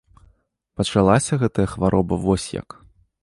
Пачалася гэтая хвароба вось як.